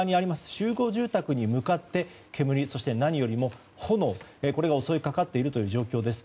集合住宅に向かって煙、そして何よりも炎が襲いかかっているという状況です。